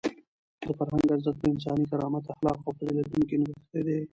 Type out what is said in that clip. د فرهنګ ارزښت په انساني کرامت، اخلاقو او فضیلتونو کې نغښتی دی.